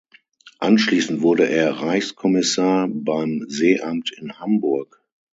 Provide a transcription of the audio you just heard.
Anschließend wurde er Reichskommissar beim Seeamt in Hamburg.